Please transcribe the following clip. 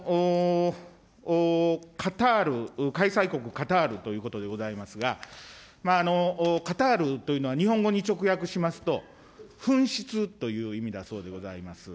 カタール、開催国、カタールということでございますが、カタールというのは日本語に直訳しますと、噴出という意味だそうでございます。